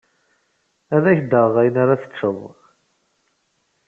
Ad ak-d-aɣeɣ ayen ara teččeḍ.